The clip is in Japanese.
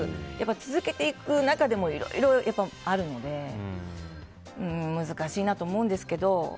続けていく中でもいろいろあるので難しいなと思うんですけど。